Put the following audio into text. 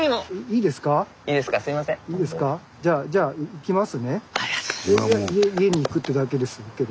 いや家に行くってだけですけど。